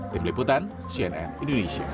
tim liputan cnn indonesia